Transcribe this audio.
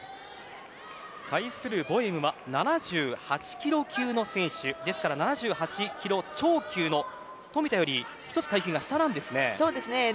対するボエムは７８キロ級の選手７８キロ超級の冨田より１つ階級が下です。